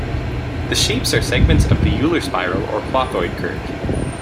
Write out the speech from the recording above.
The shapes are segments of the Euler spiral or clothoid curve.